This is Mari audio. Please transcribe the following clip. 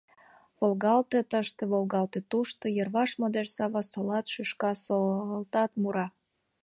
Волгалте тыште, волгалте тушто, йырваш модеш сава: солат — шӱшка, солалтат — мура.